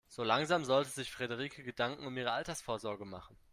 So langsam sollte sich Frederike Gedanken um ihre Altersvorsorge machen.